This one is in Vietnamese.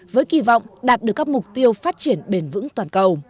với kỳ vọng đạt được các mục tiêu phát triển bền vững toàn cầu